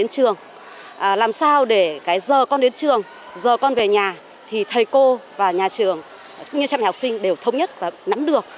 làm sao để cái giờ con đến trường giờ con về nhà thì thầy cô và nhà trường cũng như cha mẹ học sinh đều thống nhất và nắm được